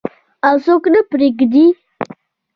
او څوک نه پریږدي.